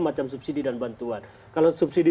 macam subsidi dan bantuan kalau subsidi